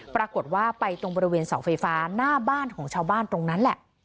ปรากฏว่าไปตรงบริเวณเสาไฟฟ้าหน้าบ้านของชาวบ้านตรงนั้นแหละ